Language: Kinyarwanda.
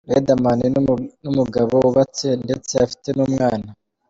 Riderman ni umugabo wubatse ndetse afite n’umwana.